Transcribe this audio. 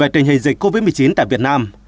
hình dịch covid một mươi chín tại việt nam